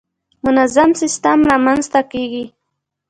منظم سیستم رامنځته کېږي.